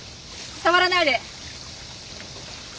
触らないで！